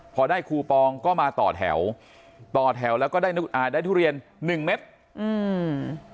พอได้คูปองก็มาต่อแถวต่อแถวแล้วก็ได้อ่าได้ทุเรียนหนึ่งเม็ดอืม